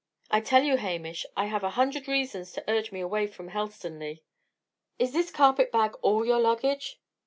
I tell you, Hamish, I have a hundred reasons to urge me away from Helstonleigh." "Is this carpet bag all your luggage?"